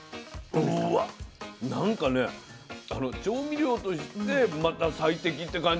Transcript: うわっなんかね調味料としてまた最適って感じ。